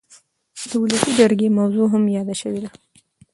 د ولسي جرګې موضوع هم یاده شوې ده.